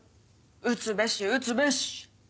打つべし打つべし。